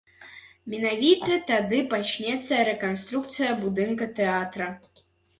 Менавіта тады пачнецца рэканструкцыя будынка тэатра.